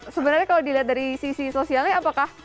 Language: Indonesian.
sebenarnya kalau dilihat dari sisi sosialnya apakah